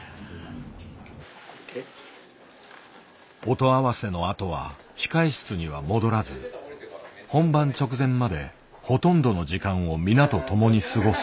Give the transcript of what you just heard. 音合わせのあとは控え室には戻らず本番直前までほとんどの時間を皆と共に過ごす。